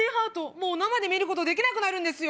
もう生で見ることできなくなるんですよ？